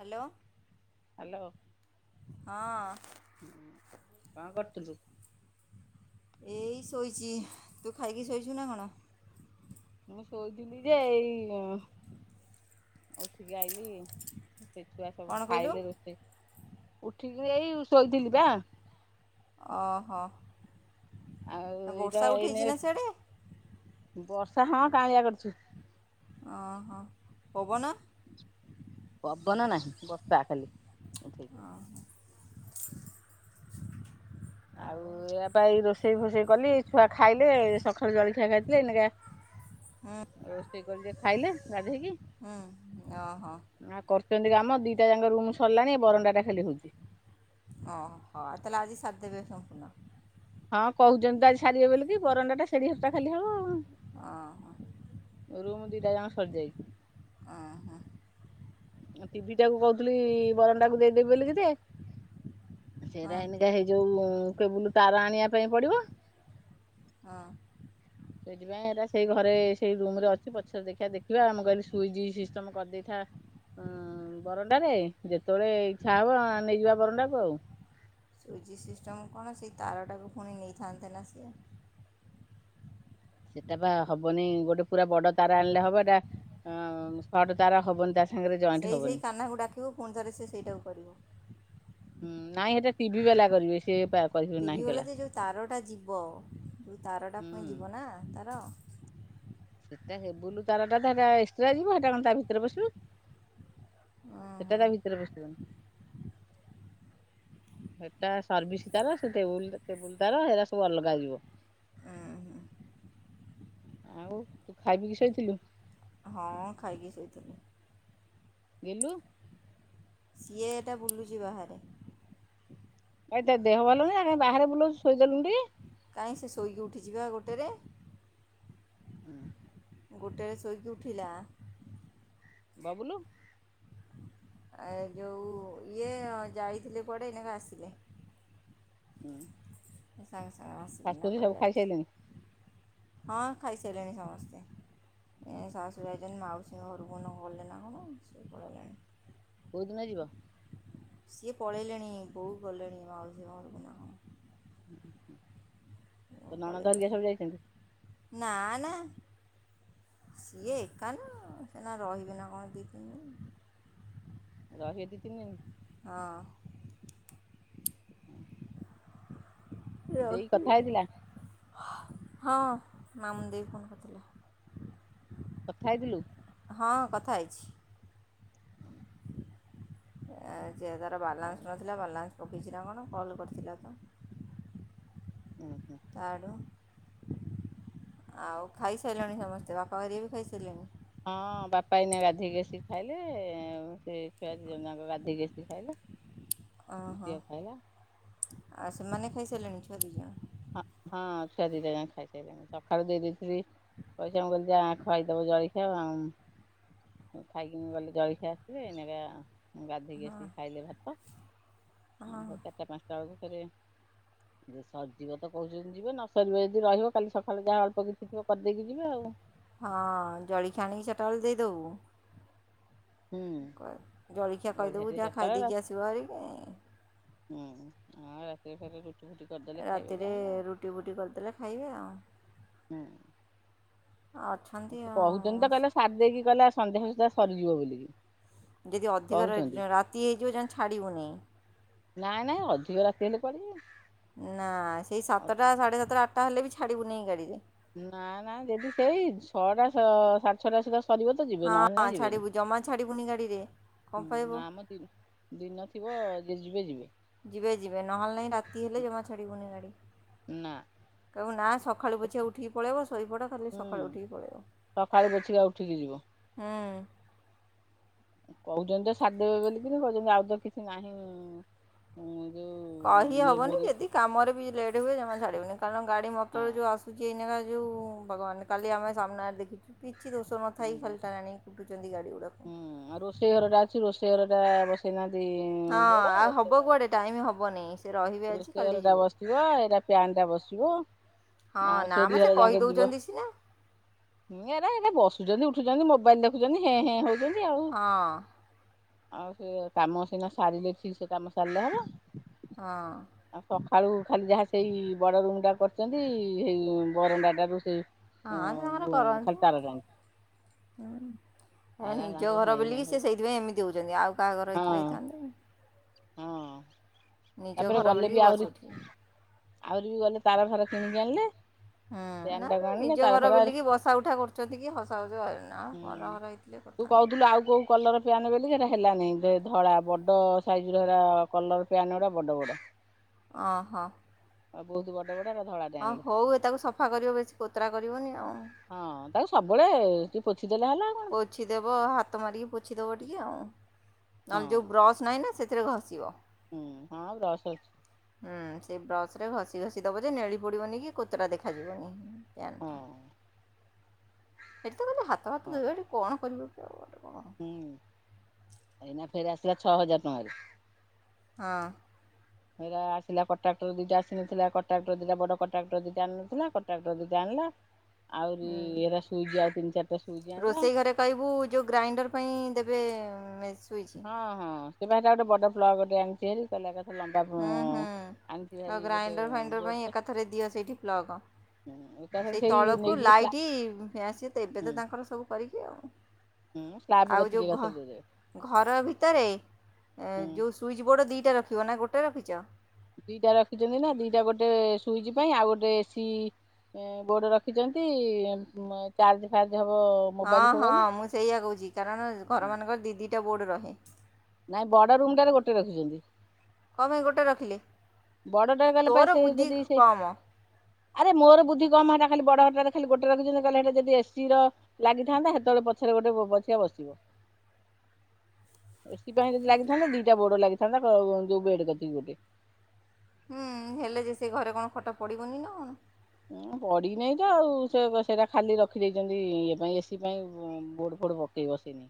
Hello. Hello. ହଁ। କଣ କରୁଥିଲୁ? ଏଇ ଶୋଇଚି ତୁ ଖାଇକି ଶୋଇଛୁ ନା କଣ? ମୁଁ ଶୋଇଥିଲି ଯେ ଏଇ ଉଠିକି ଆଇଲିି। ଛୁଆ ସବୁ କ'ଣ କହିଲୁ ଖାଇଲେ ରୋଷେଇ ଉଠିକିରି ଏଇ ଶୋଇଥିଲି ପା। ଓହୋ। ଆଉ ଏଇଟା ବର୍ଷା ଉଠେଇଛି ଏଇନେ ନା ସିଆଡ଼େ ବର୍ଷା ହଁ କାଁଳିଆ କରିଚି। ଓହ ପବନ? ପବନ ନାହିଁ ବର୍ଷା ଖାଲି ଉଠେଇଚି। ଆଉ ୟା ପାଇଁ ରୋଷେଇ ଫୋଷେଇ କଲି ଛୁଆ ଖାଇଲେ ସକାଳୁ ଜଳଖିଆ ଖାଇଥିଲେ। ଏଇନା ରୋଷେଇ କରିକି ଖାଇଲେ ଗାଧେଇକି। ହୁଁ ଓହୋ ଆ କରୁଛନ୍ତି କାମ ଦିଟା ଯାକ ରୁମ୍ ସରିଲାଣି ବରଣ୍ଡା ଟା ଖାଲି ହୋଉଛି। ଓହୋ ତାହେଲେ ଆଜି ସାରି ଦେବେ ସମ୍ପୂର୍ଣ୍ଣ? ହଁ କହୁଛନ୍ତି ତ ଆଜି ସାରିବେ କି ବରଣ୍ଡା ଟା ସେଢ଼ି ଘର ଟା ଖାଲି ହବ ଆଉ। ଓହୋ। ରୁମ୍ ଦିଟା ଯାଙ୍କ ସରିଯାଇଛି? ଉଁ ହୁଁ। ଟିଭିି ଟାକୁ କହୁଥିଲି ବରଣ୍ଡା ଟାକୁ ଦେଇଦେବି ବୋଲି କି ଯେ ସେ ହଁ ସେରା ଏଇନିକା ହେଇ ଯୋଉ କେବୁଲ ତାର ଆଣିବା ପାଇଁ ପଡ଼ିବ। ହଁ। ସେଇଥିପାଇଁ ହେରା ସେଇ ଘରେ ସେଇ ରୁମ୍ ରେ ଅଛି ପଛରେ ଦେଖିଆ -ଦେଖିବା ଆମେ କହିଲି ସୁଇଚ ସିଷ୍ଟମ କରିଦେଇଥା। ହ [unintelligible] ହଁ ବରଣ୍ଡାରେ ଯେତେବେଳେ ଇଛା ହବ ନେଇଯିବା ବରଣ୍ଡାକୁ ଆଉ। ସୁଇଜି ସିଷ୍ଟମ୍ କଣ ସେଇ ତାରଟାକୁ ପୁଣି ନେଇଥାନ୍ତେ ନା ସିଏ। ସେଟା ବା ହବନି ଗୋଟେ ପୁରା ବଡ଼ ତାର ଆଣିଲେ ହବ ଏଇଟା ସଟ ତାର ହବନି ତା ସାଙ୍ଗରେ ଜଏଣ୍ଟ ସେଇ -ସେଇ ହବନି। କାହ୍ନାକୁ ଡ଼ାକିବୁ ପୁଣି ଥରେ ସେ ସେଇଟାକୁ କରିବ। ହୁଁ ନାଇଁ ହେଟା ଟିଭି ବାଲା କରିବେ ସେ ଟିଭି ବାଲା ଯେ ଯୋଉ ତାରଟା ଯିବ ଯୋଉ ତାରଟା ପୁଣି ହୁଁ। ଯିବ ନା ତାର। ସେଟା କେବୁଲ ତାରଟା ତ ହେଟା ଏକ୍ସଟ୍ରା ଯିବ ହେଟା କଣ ତା ଭିତରେ ପସିବ ସେଟା ଓହୋ ତା ଭିତରେ ପଶିବନି। ସେଟା ସର୍ଭିସ ତାର ସେ କେବୁଲ-କେବୁଲ ତାର ସେରା ସବୁ ଅଲଗା ଯିବ। ଉଁ ଆଉ ତୁ ଖାଇ ପିକିି ଶୋଇଥିଲୁ? ହଁ ଖାଇକି ଶୋଇଥିଲି। ଗେଲୁ? ସିଏ ଏଟା ବୁଲୁଛି ବାହାରେ। ହେଇ ତା ଦେହ ଭଲ ନାହିଁ ଆଉ କାଇଁ ବାହାରେ ବୁଲଉଚୁ ଶୋଇଦେଲୁନୁ ଟିକେ? କାହିଁ ସେ ଶୋଇକି ଉଠିଚି ବା ଗୋଟେରେ। ହୁଁ। ଗୋଟେ ଶୋଇକି ଉଠିଲା। ବବୁଲୁ? ଏ ଯୋଉ, ଇଏ ଯାଇଥିଲେ କୁଆଡ଼େ, ଏଇନା କା ଆସିଲେ। ହୁଁ। ସାଙ୍ଗେ ସାଙ୍ଗେ ଆସିକିନା ଶାଶୁଶଶୁର କୁଆଡ଼େ ସବୁ ଖାଇସାରିଲେଣି ଯାଇଚି, ହଁ ଖାଇସାରିଲେଣି ସମସ୍ତେ। ଏ ଶାଶୁୁ ଯାଇଚନ୍ତି, ମାଉସୀଙ୍କ ଘରକୁ ନା ଗଲେ ନା କଣ, ସେ ପଳେଇଲେଣି। କୋଉ ଦିନ ଯିବ? ସିଏ ପଳେଇଲେଣି, ବୋଉ ଗଲେଣି, ମାଉସୀଙ୍କ ଘରକୁ ନା କଣ? ହୁଁ। ବୋଉ ପଳେଇଲେଣି ନା, ନା। ସିଏ ଏକା ନା, ସେ ଏଇନା ରହିବେ ନା କଣ ଦି ତିନି ଦିନି। ରହିବେ ଦି ତିନି ଦିନି? ହଁ। ହଁ। ରହିବେ, ହଁ, ମାମୁନି ଦେଇ ଫୋନ୍ କରିଥିଲା। କଥା ହେଇଥିଲୁ? ହଁ କଥା ହେଇଛି। ଯିଏ ତାର ଆଉ ବାଲାନ୍ସ ନଥିଲା, ବାଲାନ୍ସ ପକେଇଛି ନା କଣ? କଲ କରିଥିଲା ତ। ହୁଁ, ହୁଁ। ତା ଆଡୁ, ଆଉ ଖାଇସାରିଲଣି ସମସ୍ତେ? ବାପା ଘରିଆ ବି ଖାଇସାରିଲେଣି? ହଁ, ବାପା ଏଇନା ଗାଧେଇକି ଆସିକି ଖାଇଲେ, ସେ ଛୁଆ ଦି ଜଣଯାକ ଗାଧେଇକି ଆସିକି ଖାଇଲେ। ଓହୋ, ଝିଅ ଖାଇଲା ଆ ସେମାନେ ଖାଇସାରିଲେଣି ଛୁଆ ଦିଜଣ? ହଁ, ହଁ, ଛୁଆ ଦିଟା ଯାକ ଖାଇସାଇଲେଣି, ସକାଳୁ ଦେଇ ଦେଇଥିଲି ପଇସା, ମୁଁ କହିଲି ଯା ଖାଇଦବ ଜଳଖିଆ ଆ, ଖାଇକିନି ଗଲେ ଜଳଖିଆ ଆସିଲେ, ଏଇନାକେ ଗାଧୋଇକି ଆସିକି ଖାଇଲେ ଭାତ, ଭ ଚାରିଟା ପାଞ୍ଚ ଦେଖିଲା ବେଳକୁ ଫେରେ, ଯେ ସଜ ଯିବ ତ କହୁଚନ୍ତି ଯିବେ, ନସରିବ ଯଦି ରହିବ, କାଲି ସକାଳେ ଯାହା ଅଳ୍ପ କିଛି ଥିବ, କରିଦେଇକି ଯିବେ ଆଉ। ହଁ, ଜଳିଖିଆ ଆଣିକି ଚାଟାବେଳେ ଦେଇଦେବୁ ହୁଁ ଜଳଖିଆ କହିଦେବୁ ଟିକେ ଯାହା ଚାରିଟା ବେଳେ ଖାଇଦେଇକି ଆସିବ ହାରି କି ହୁଁ, ଆଉ ରାତିରେ ଫେରେ ରୁଟି। ଫୁଟି କରିଦେଲେ ଖାଇବେ ରାତିରେ ଯାହାହେଲେ ଆଉ ରୁଟି ବୁଟି କରିଦେଲେ ଖାଇବେ ଆଉ। [unintelligible] ଆଛ ସିଏ କହୁଛନ୍ତି ତ, କହିଲେ ସାରି ଦେଇକି, କହିଲା ସନ୍ଧ୍ୟା ସୁଦ୍ଧା ସରିଯିବ ବୋଲିକି। ଯଦି ଅଧିକ କହୁଛନ୍ତି ରାତି ହେଇଯିବ, ଯା ଛାଡ଼ିବୁନି। ନାଇଁ ନାଇଁ, ଅଧିକ ରାତି ହେଲେ କୁଆଡେ ଯିବେ? ନା, ସେଇ ସାତଟା, ସାଢ଼େ ସାତଟା ଆଟା ହେଲେ ବି, ଛାଡ଼ିବୁନି ଗାଡିରେ। ନା ନା, ଯଦି ସେଇ ଛଅଟା ସାଢେ ଛଅଟା ସୁଦ୍ଧା ସରିବ ତ ଯିବେ ନହେଲେ ହଁ ନାଇଁ ଯିବେନି ଛାଡ଼ିବୁ, ଜମା ଛାଡ଼ିବୁନି ଗାଡ଼ିରେ, କଣ ହୁଁ ପାଇବୁ? ନା ମ ଦିନ ଥିବ, ଯଦି ଯିବେ ଯିବେ। ଯିବେ ଯିବେ, ନହେଲେ ନାହିଁ, ରାତି ହେଲେ ଜମା ଛାଡ଼ିବୁନି ଗାଡ଼ି। ନା କହିବୁ ନା, ସକାଳୁ ପଛିକା ଉଠିକି ପଳେଇବ, ଶୋଇପଡ଼ ଖାଲି ସକାଳୁ ହୁଁ, ଉଠିକି ପଳେଇବ ସକାଳୁ ପଛିକା ଉଠିକି ଯିବ। ହଁ ଅ। କହୁଛନ୍ତି ତ ସାରଦେବେ ବୋଲିକିରି କହୁଛନ୍ତି ଆଉ ତ କିଛି ନାହିଁ। ମୁଁ ଯୋଉ ଇଏ କହିହବନି ବୋରି ଯଦି କାମରେ ବି ଲେଟ୍ ହୁଏ ଜମା ଛାଡିବୁନି କାରଣ ଗାଡି ହଁ ମଟର ଯୋଉ ଆସୁ [unintelligible] ଏଇନାପା ଯୋଉ ଭଗବାନ କାଲି ଆମେ ସାମ୍ନାରେ ଦେଖିଚୁକି କିଛି ଦୋଷ ହୁଁ ନଥାଇ ଖାଲିଟାରେ ଆଣିକି କୁଟୁଛନ୍ତି ଗାଡ଼ି ଗୁଡ଼ାକୁ। ସେଇ ଘର ଟା ଅଛି ରୋଷେଇ ଘର ଟା ବସେଇନାହାନ୍ତି। ହଁ ଆଉ ମୁଁବଡ ହେବ ସେଟା କୁଆଡ଼େ ବସିବ। ଟାଇମ୍ ହେବନି ସେ ରହିବେ ଆଜି ରୋଷୋଇ କାଲି ଘର ଟା ଯିବେ ବସିବ ଏରାକ ପ୍ୟନ୍ ଟା ବସିବ ହଁ ଆଉ ନା ସେଡି ମ ସେ ଘର ଯାକେ ଯିବ। କହିଦେଉଛନ୍ତି ସିନା ହୁଁ ଏରା ଏରା ବସୁଚନ୍ତି ଉଠୁଚନ୍ତି ମୋବାଇଲ ଦେଖୁଚନ୍ତି ହେଁ ହେଁ ହଉଛନ୍ତି ଆଉ। ହଁ ଆଉ ସେ କାମ ସିନା ସାରିଲେ ଠିକସେ କାମ ସାରିଲେ ହବ। ହଁ। ଆଉ ସଖାଳୁ ଖାଲି ଯାହା ସେଇ ବଡ ରୁମ ଟା କରିଛନ୍ତି ହେଇ ବରଣ୍ଡାଟାରୁ ସେଇ ହଁ ସେ ତାଙ୍କର ଖାଲି କରନ୍ତୁ। ତାର ଟାଣି ହୁଁ ହେ ତାରା ନିଜ ତାଙ୍କର ଘର ହେଁ ହେଁ ବୋଲିକି ହଉ ସେ ସେଇଥିପାଇଁ ଏମିତି ହେଉଛନ୍ତି ଆଉ କାହା ଘର ହେଇଥିଲେ ହଁ ହେଇଥାନ୍ତେ କି? ହଁ ନିଜ ତାପରେ ଘର ଗଲେ ବୋଲିକି ବି ବସି ଆହୁରି ଉଠିଲେ ହୁଁ ଆହୁରି ବି ଗଲେ ତାର ଫାର କିଣିକି ଆଣିଲେ। ହୁଁ ଫ୍ୟାନ ନା ନା ଟାକୁ ଆଣିଲେ ନିଜ ତାର ଘର ଫାର ବୋଲିକି ବସା ଉଠା କରୁଛନ୍ତି କି ହସା ହସି [unintelligible] ନା ହୁଁ ପର ଘର ହେଇଥିଲେ ତୁ କରିଥାନ୍ତେ କି? କହୁଥିଲୁ ଆଉ କୋଉ କଲର ପ୍ୟାନ୍ ବୋଲିକି ହେଟା ହେଲାନେଇଁ ଧଳା ବଡ଼ ସାଇଜିର ହେରା କଲର ପ୍ୟାନ୍ ଗୁଡ଼ା ବଡ଼ ବଡ଼। ଅଁ ହଁ। ଆଉ ବହୁତ ବଡ ବଡ ହେଟା ଧଳା ହଁ ହଉ ଏ ତାକୁ ସଫା କରିବ ବେସି କୋତରା କରିବନି ଆଉ। ହଁ ତାକୁ ସବୁବେଳେ ଟିକେ ପୋଛିଦେଲେ ହେଲା। କଣ ପୋଛିଦେବ ହାତ ମାରିକି ପୋଛିଦବ ଟିକେ ଆଉ। ହଁ ନହେଲେ ଯୋଉ ବ୍ରସ୍ ନାହିଁ ନା ସେଥିରେ ଘଷିବ। ହୁଁ ହଁ ବ୍ରସ୍ ଅଛି। ହୁଁ ସେଇ ବ୍ରସ୍ ରେ ଘଷି ଘଷି ଦବ ଯେ ନେଳି ପଡିବନି କି କୋତରା ଦେଖାଯିବନି। ହଁ [unintelligible] ସେଠି ତ ଖାଲି ହାତ ଭାତ ହଁ ଧୋଇବ ହେଟି କଣ କରିବ। ଆଉ ଗୋଟେ କଣ? ହୁଁ ଏଇନା ଫେର ଆସିଲା ଛଅ ହଜାର ଟଙ୍କାରେ। ହଁ। ଏଇରା ଆସିଲା କଟାକ୍ଟର ଦିଟା ଆସିନଥିଲା କଟାକ୍ଟର ଦିଟା ବଡ କଟାକ୍ଟର ଦିଟା ଆଣି ନଥିଲା କଣ୍ଟ୍ରାଟର ଦିଟା ଆଣିଲା। ଆଉରିି ହୁଁ ଏରା ସୁଇଜ୍ ଆଉ ତିନି ଚାରଟା ସୁଇଜ ଆଣିଲା। ରୋଷେଇ ଘରେ କହିବୁ ଯୋଉ ଗ୍ରାଇଣ୍ଡର ପାଇଁ ଦେବେ ମେସ ହଁ ହଁ ସେପା ହେଟା ଗୋଟେ ବଡ ପ୍ଲଗଟେ ଆଣିଛି ହାରି। [unintelligible] କଥା ଲମ୍ବା ଉଁ ହୁଁ ହୁଁ ଆଣିଚି ତ ଭାରି ଗୋଟେ ଗ୍ରାଇଣ୍ଡର୍ ଫାଇଣ୍ଡର୍ ପାଇଁ ବୋଡଟେ। ଏକାଥରେ ଦିଅ ସେଇଠି ପ୍ଲଗ୍ ସେଇ ତଳକୁ ଲାଇଟ୍ ଫ୳୲ସ ତ ଏବେ ତ ହୁଁ ତାଙ୍କର ସବୁ କରିକି ଆଉ। ହୁଁ ସ୍ଲାବ୍ ଆଉ କତିକି ଯୋଉ ଘ ଏକାଥରେ ଦେଇଦେବେ ଘର ଭିତରେ ହୁଁ ଯୋଉ ସୁଇଚ୍ ବୋଡ଼ ଦିଇଟା ରଖିବ ନା ଗୋଟେ ରଖିଚ। ଦିଟା ରଖିଛନ୍ତି ନା ଦିଟା ଗୋଟେ ସୁଇଚ ପାଇଁ ଆଉ ଗୋଟେ ଏ ସିି ଏ ବୋର୍ଡ ରଖିଛନ୍ତି ଚାର୍ଜ ଫାର୍ଜ ହବ ହଁ ମୋବାଇଲ ଫୋବାଲି। ହଁ ମୁଁ ସେଇଆ କୋଉଛି କାରଣ ଘରମାନଙ୍କରେ ଦି ଦିଟା ବୋର୍ଡ଼ ରହେ। ନାଇଁ ବଡ ରୁମ ଟାରେ ଗୋଟେ ରଖିଛନ୍ତି କଁ ପାଇଁ ଗୋଟେ ରଖିଲେ। ବଡ ଟା କଲେ ପା ତୋର ସେ ବୁଦ୍ଧି ଯଦି ସେ କମ୍ ଆରେ ମୋର ବୁଦ୍ଧି କମ ହେଟା ଖାଲି ବଡ ହେଟାରେ ଖାଲି ଗୋଟେ ରଖିଚନ୍ତି କହିଲେ ଯଦି ଏସି ର ଲାଗିଥାନ୍ତା ସେତେବେଳେ ପଛରେ ଗୋଟେ ପଛିକା ବସିବ। ଏ ସେଥିପାଇଁ ଯଦି ଲାଗିଥାନ୍ତା ଦିଟା ବୋଡ ଲାଗିଥାନ୍ତା କ ଯୋଉ ବେଡ କତିକି ଗୋଟେ। ହୁଁ ହେଲେ ଯେ ସେ ଘରେ କଣ ଖଟ ପଡିବନି ନା କଣ? ଉଁ ପଡିନେଇ ତ ଆଉ ସେ ସେଇଟା ଖାଲି ରଖିଦେଇଚନ୍ତି ଇଏ ପାଇଁ ଏସି ପାଇଁ ଉଁ ବୋଡ ଫୋଡ ବ ନି ବସିନି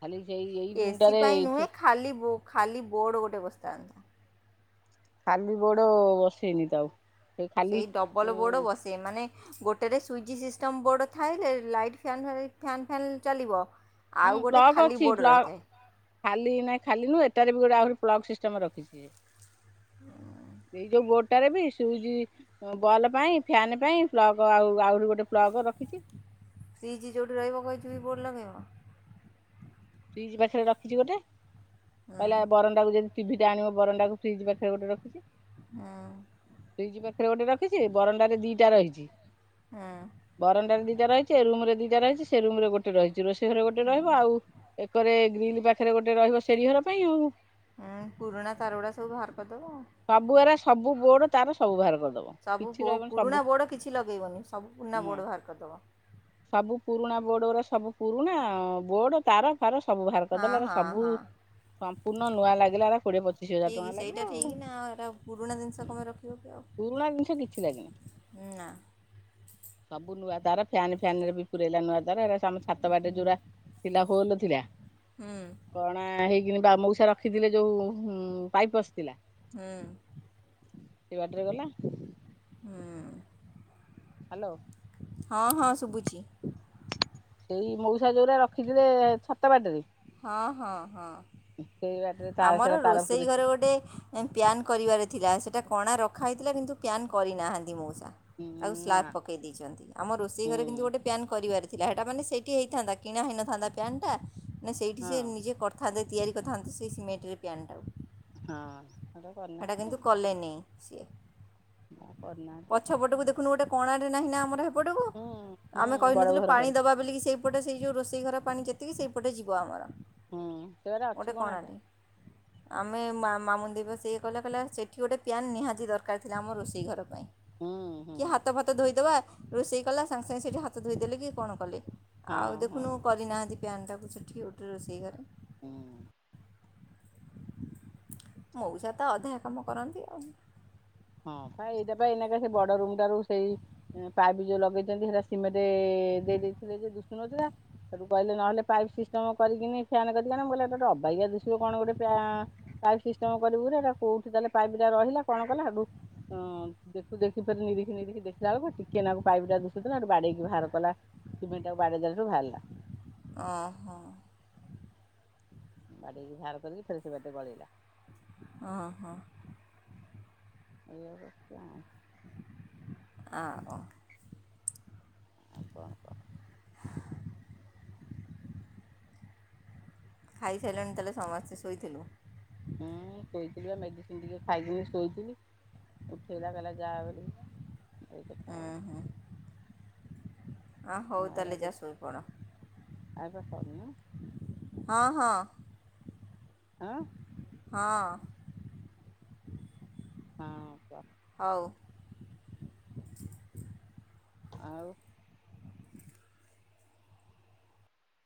ଖାଲି ସେଇ ଏଇ ଏ ଜୁନ୍ ସି ଟାରେ ପାଇଁ ନୁହେଁ ଖାଲି ଖାଲି ବୋର୍ଡ଼ ଗୋଟେ ବସ୍ତାଥାନ୍ତା। ଖାଲି ବୋଡ ବସେଇନି ତ ଆଉ। ସେ ଖାଲି ସେଇ ଡବଲ ବୋର୍ଡ ଉଁ ବସେ ମାନେ ଗୋଟେରେ ସୁଇଚ୍ ସିଷ୍ଟମ୍ ବୋଡ଼ ଥାଏ ସେ light fan fan fan fan ଚାଲିବ। ହୁଁ ଆଉ ଗୋଟେ ପ୍ଲକ୍ ଖାଲି ଅଛି ବୋର୍ଡ଼ ପ୍ଲକ୍? ରହିଥାଏ ଖାଲି ନାଇଁ ଖାଲି ନୁ ଏଟାରେ ବି ଗୋଟେ ଆହୁରି ପ୍ଲକ୍ ସିଷ୍ଟମ୍ ରଖିଚି। ଏ ଯୋଉ ମୋଟ ହେଟାରେ ବି ସୁଇଜ୍ ବଲ୍ ପାଇଁ ଫ୍ୟାନ୍ ପାଇଁ ପ୍ଲଗ୍ ଆଉ ଆହୁରି ଗୋଟେ ପ୍ଲଗ ରଖିଚି ଫ୍ରୀଜ଼ ଯୋଉଠି ରହିବ କହିଥିଲି ବୋଡ଼ ଲଗେଇବ ଫ୍ରୀଜ଼ ପାଖରେ ରଖିଚି ଗୋଟେ। ହୁଁ କହିଲା ବରଣ୍ଡାକୁ ଯଦି ଟିଭି ଟା ଆଣିବ ବରଣ୍ଡାକୁ ଫ୍ରିଜ ପାଖରେ ଗୋଟେ ରଖିଚି। ହୁଁ ଫ୍ରିଜ ପାଖରେ ଗୋଟେ ରଖିଚି ବରଣ୍ଡାରେ ଦିଟା ରହିଚି ହୁଁ ବରଣ୍ଡାରେ ଦିଟା ରହିଚି ଏ ରୁମ୍ ରେ ଦିଟା ରହିଚି ସେ ରୁମ୍ ରେ ଗୋଟେ ରହିଚି ରୋଷେଇ ଘରେ ଗୋଟେ ରହିବ ଆଉ ଏକରେ ଗ୍ରିଲ ପାଖରେ ଗୋଟେ ରହିବ ସେଡି ଘର ପାଇଁ ଆଉ। ହଁ ପୁରୁଣା ତାର ଗୁଡ଼ା ସବୁ ବାହାର କରିଦବ ଆଉ। ସବୁ ଏରା ସବୁ ବୋର୍ଡ ତାର ସବୁ ବାହାର କରିଦବ। ସବୁ କିଛି ପୋ ରହିବନି ସବୁ ପୁରୁଣା ବୋଡ଼ କିଛି ଲଗେଇବନି ସବୁ ପୁରୁଣା ନା ବୋଡ଼ ବାହାର କରିଦବ। ସବୁ ପୁରୁଣା ବୋର୍ଡ ଉରା ସବୁ ପୁରୁଣା ବୋର୍ଡ ତାର ତାର ସବୁ ବାହାର ହଁ କରିଦେଲେ ଏରା ହଁ ସବୁ ହଁ ସମ୍ପୂର୍ଣ୍ଣ ନୂଆ ଲାଗିଲା ଏରା କୋଡିଏ ପଚିଶ ହଜାର ଟଙ୍କାର ଲାଗିଲା ଆଉ। ହଁ ଏରା ପୁରୁଣା ଜିନ ହୁଁ ପୁରୁଣା ଜିନିଷ କିଛି ଲାଗେନି। ନା ସବୁ ନୂଆ ତାର ଫ୍ୟାନ ଫ୍ୟାନ ରେ ବି ପୁରେଇଲା ନୂଆ ତାର ଏରା ସମ ଛାତ ବାଟେ ଯୋଉରା ଥିଲା ହୋଲ ଥିଲା ହୁଁ। କଣା ହେଇକିନି ବା ମଉସା ରଖିଥିଲେ ଯୋଉ ଉଁ ପାଇପ୍ ପଶିଥିଲା ହୁଁ। ସେ ବାଟରେ ଗଲା ହୁଁ। ହ୍ୟାଲୋ। ହଁ ହଁ ଶୁବୁଚି। ସେଇ ମଉସା ଯଉରା ରଖିଥିଲେ ଛାତ ବାଟରେ ହଁ ହଁ ହଁ ସେଇ ବାଟରେ ତା ଆମର ସେରା ତାର ପୁରେ ରୋଷେଇ ଘରେ ଗୋଟେ ପ୍ୟାନ୍ କରିବାର ଥିଲା ସେଇଟା କଣା ରଖା ହୋଇଥିଲା କିନ୍ତୁ ପ୍ୟାନ୍ କରିନାହାନ୍ତି ମଉସା। ହୁଁ। ନା ସ୍ଲାବ ପକେଇ ଦେଇଛନ୍ତି। ଆମ ରୋଷେଇ ହୁଁ ଘରେ କିନ୍ତୁ ଗୋଟେ ପ୍ୟାନ୍ କରିବାର ଥିଲା ହେଟା ମାନେ ସେଇଠି ହେଇଥାନ୍ତା, କିଣା ହେଇନଥାନ୍ତା ପ୍ୟାନ ଟା ନା ସେଇଠି ହଁ ସେ ନିଜେ କରିଥାନ୍ତେ ତିଆରି କରିଥାନ୍ତେ ସେ ସିମେଟରେ ପ୍ୟାନ ଟାକୁ। ହଁ ସେଟା କରିନାହାନ୍ତି ଆଉ। କଲେନି ସିଏ। ଆଉ କରିନାହାନ୍ତି ଆଉ ପଛପଟକୁ ଦେଖୁନୁ ଗୋଟେ କଣାଟେ ନାହିଁ ନା ଆମର ହେପଟକୁ ହୁଁ ଆମେ ହୁଁ ବଡ କହିନଥିଲୁ ଘର ପାଣି କର ଦବା ବୋଲିକି ସେଇ ସେପଟେ ସେଇ ଯୋଉ ରୋଷେଇ ଘର ପାଣି ଯେତିକି ସେଇପଟେ ଯିବ ଆମର ହୁଁ ସେଗୁରା ଅଛି ଗୋଟେ କଣାଟା କଣାଟେ। ଆମେ ମାମୁନି ଦେଇ ବା ସେୟା କହିଲା ସେଠି ଗୋଟେ ପ୍ୟାାନ ନିହାତି ଦରକାର ଥିଲା, ଆମ ରୋଷେଇ ଘର ପାଈଁ ହୁଁ କିଏ ହୁଁ। ହାତ ଫାତ ଧୋଇଦବା ରୋଷେଇ କଲା ସାଙ୍ଗେ ସାଙ୍ଗେ ସେଇଠି ହାତ ଧୋଇଦେଲି କି କଣ କଲି ଆଉ ହଁ ହଁ ଦେଖୁନୁ ହୁଁ କରିନାହାନ୍ତି ପ୍ୟାନ ଟାକୁ ସେଠି। ଉଠି ଉଠି ରୋଷେଇ କରେ। ହୁଁ। ମୋଉସା ତ ଅଧା କାମ କରନ୍ତି ଆଉ। ହଁ ପା ଏଇଟା ବା ଏଇନା ବା ସେ ବଡ ରୁମ ଟାରୁ ସେଇ ପାଇପ୍ ଯୋଉ ଲଗେଇଛନ୍ତି ହେରା ସିମେଣ୍ଟ ଦେଇ ଦେଇଥିଲେ ଯେ ଦିଶୁନଥିଲା। ସେଇଠୁ କହିଲେ ନହଲେ ପାଇପି ସିଷ୍ଟମ୍ କରିକି ନି ପ୍ୟାନ କରିବା ମୁଁ କହିଲି ଗୋଟେ ଅବାଗିଆ ଦିଶିବ କଣ ଗୋଟେ ପ୍ୟା ପାଇପ୍ ସିଷ୍ଟମ କରିବୁରେ କୋଉଠି ତାହେଲେ ପାଇପ୍ ଟା ରହିଲା କଣ କଲା ଆଗକୁ ହଁ ଦେଖୁ ଦେଖୁ ଫେରେ ନିରିଖି ନୀରିଖି ଦେଖିଲା ବେଳକୁ ଟିକେ ନାକୁ ପାଇପଟା ଦିଶୁଥିଲା ବାଡେଇକି ବାହାର କଲା। ସିମେଣ୍ଟ ଟାକୁ ବାଡେଇଦେଲା ରୁ ବାହାରିଲା। ଅ ହଁ। ବାଡ଼େଇକି ବାହାର କରିକି ଫେରେ ସେ ବାଟେ ଗଳେଇଲା। ଅଁ ହଁ। ଏଇଆକୁ ହେଲା। ଆଁ ଓ। ଆଉ କଣ କହ [inaudible] ଖାଇସାଇଲଣି ତାହେଲେ ସମସ୍ତେ, ଶୋଇଥିଲୁ। ହୁଁ ଶୋଇଥିଲି ପା ମେଡିସିନ ଟିକେ ଖାଇକିନି ଶୋଇଥିଲି। ଉଠେଇଲା କହିଲା ଯା ବୋଲିକିନା। ଅଁ ହୁଁ ଆ ହଉ ତାହେଲେ ଯା ଶୋଇପଡ଼। ଆଉ ପା ସରନୁ। ହଁ ହଁ। ଆଁ। ହଁ। ହଁ କୁଅ। ହଉ। ଆଉ।